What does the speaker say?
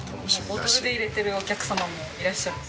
ボトルで入れているお客様もいらっしゃるそうです。